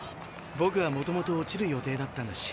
ぼくはもともと落ちる予定だったんだし。